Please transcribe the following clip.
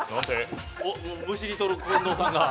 むしり取る近藤さんが。